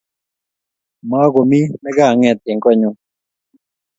Makomie ne ka nget eng koonyuu